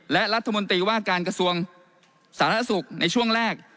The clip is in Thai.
และรัฐมนตรีว่าการกระทรวงสาธารณสุขในช่วงแรก